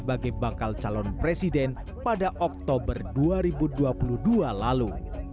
sebagai bakal calon presiden pada oktober dua ribu dua puluh dua lalu